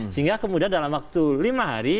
sehingga kemudian dalam waktu lima hari